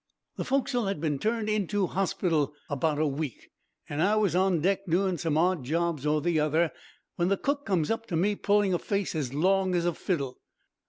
"The foc'sle had been turned into hospital about a week, an' I was on deck doing some odd job or the other, when the cook comes up to me pulling a face as long as a fiddle.